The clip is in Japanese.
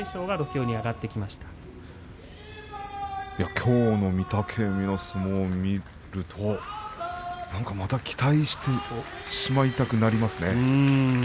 きょうの御嶽海の相撲を見るとまた期待してしまいますね。